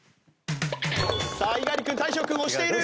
さあ猪狩君大昇君押している。